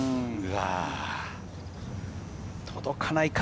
届かないか。